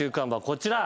こちら。